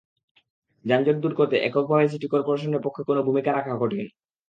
যানজট দূর করতে এককভাবে সিটি করপোরেশনের পক্ষে কোনো ভূমিকা রাখা কঠিন।